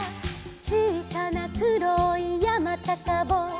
「ちいさなくろいやまたかぼう」